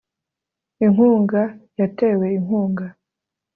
inkunga yatewe inkunga